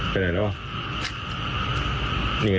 ไปไหนแล้ว